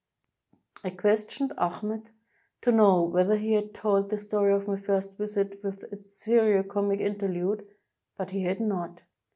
I questioned Achmet to know whether he had told the story of my first visit with its serio comic interlude; but he had not.